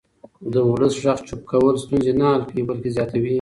د ولس غږ چوپ کول ستونزې نه حل کوي بلکې زیاتوي